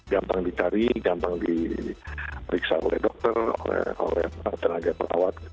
gampang dicari gampang diperiksa oleh dokter oleh tenaga perawat